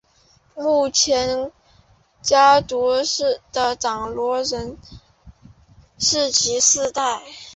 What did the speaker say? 目前家族的掌舵人是其第四代。